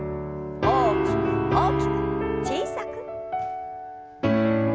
大きく大きく小さく。